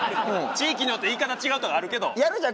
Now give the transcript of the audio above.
地域によって言い方違うとかあるけど。